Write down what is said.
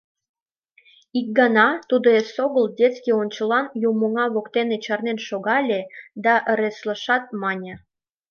Ик гана тудо эсогыл детский ончылан юмоҥа воктене чарнен шогале да ыреслышат, мане: